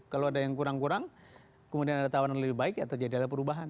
kalau ada yang kurang kurang kemudian ada tawaran lebih baik ya terjadi ada perubahan